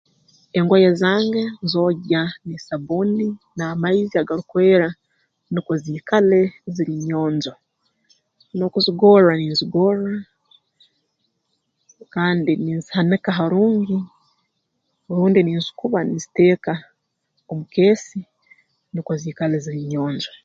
Engoye zange nzogya n'esabbuuni n'amaizi agarukwera nukwe ziikale ziri nyonjo n'okuzigorra ninzigorra kandi ninzihanika harungi rundi ninzikuba ninziteeka omu keesi nukwo ziikale ziri nyonjo